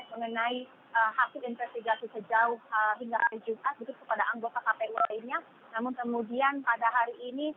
mengenai hasil investigasi sejauh hingga pada anggota kpu lainnya namun kemudian pada hari ini